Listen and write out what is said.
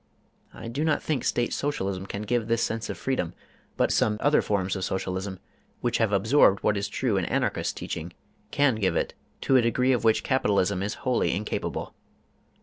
I do not think State Socialism can give this sense of freedom, but some other forms of Socialism, which have absorbed what is true in Anarchist teaching, can give it to a degree of which capitalism is wholly incapable.